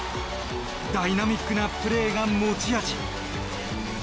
ダイナミックなプレーが持ち味。